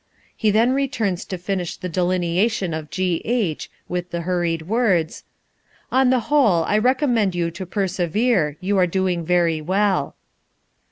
He then returns to finish the delineation of G.H. with the hurried words: "On the whole I recommend you to persevere; you are doing very well."